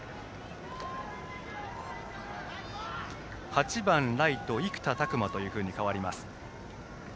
８番ライト、生田琢真と代わります。